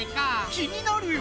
気になるよ！